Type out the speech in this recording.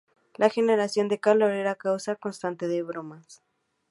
La generación de calor era causa constante de bromas.